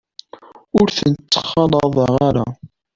Ur tent-ttxalaḍeɣ ara.